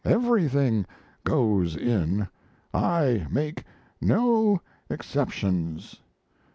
"Everything goes in. I make no exceptions.